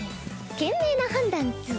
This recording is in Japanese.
賢明な判断っス。